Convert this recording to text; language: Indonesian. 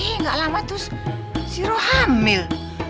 eh gak lama terus si rob hamil